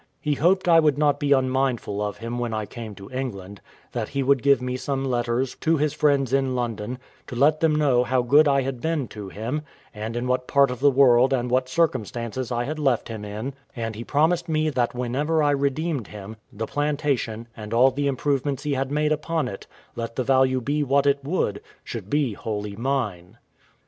He hoped I would not be unmindful of him when I came to England: that he would give me some letters to his friends in London, to let them know how good I had been to him, and in what part of the world and what circumstances I had left him in: and he promised me that whenever I redeemed him, the plantation, and all the improvements he had made upon it, let the value be what it would, should be wholly mine.